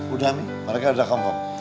udah ami mereka ada kampung